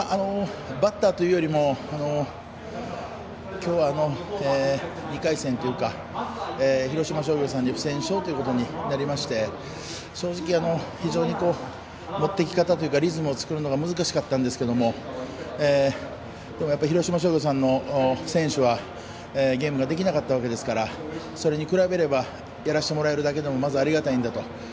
バッターというよりもきょうは、２回戦というか広島商業さんに不戦勝ということになりまして正直、非常に持っていき方というかリズムを作るのが難しかったんですけれどもやっぱり広島商業さんの選手はゲームができなかったわけですからそれに比べればやらせてもらえるだけでもまずありがたいんだと。